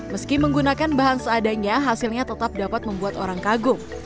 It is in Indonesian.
meski menggunakan bahan seadanya hasilnya tetap dapat membuat orang kagum